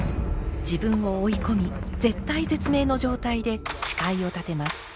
自分を追い込み絶体絶命の状態で誓いを立てます。